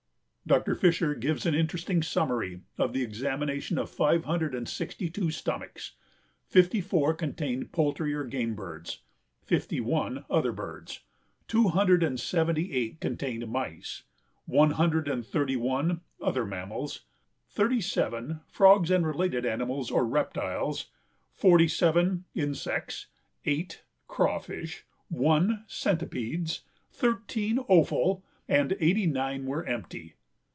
Dr. Fisher gives an interesting summary of the examination of five hundred and sixty two stomachs. Fifty four contained poultry or game birds; fifty one, other birds; two hundred and seventy eight contained mice; one hundred and thirty one, other mammals; thirty seven, frogs and related animals or reptiles; forty seven, insects; eight, crawfish; one, centipedes; thirteen, offal, and eighty nine were empty.